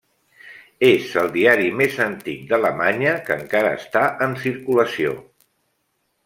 És el diari més antic d'Alemanya que encara està en circulació.